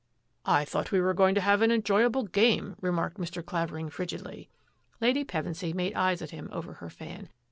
" I thought we were going to have an enjoyable game," remarked Mr. Qavering frigidly. Lady Pevensy made eyes at him over her fan.